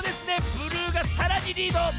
ブルーがさらにリード。